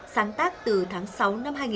sáng tác từ tháng sáu năm hai nghìn một mươi